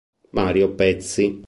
Mario Pezzi